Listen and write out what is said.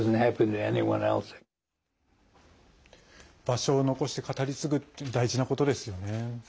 場所を残して語り継ぐって大事なことですよね。